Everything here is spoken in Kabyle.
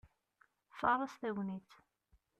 Faṛeṣ tagnitt!